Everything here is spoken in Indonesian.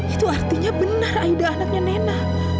itu artinya benar aida anaknya nena